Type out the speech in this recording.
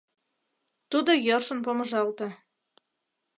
Тудо йӧршын помыжалте.